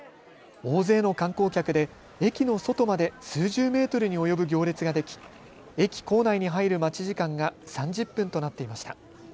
大勢の観光客で駅の外まで数十メートルに及ぶ行列ができ駅構内に入る待ち時間が３０分となっていました。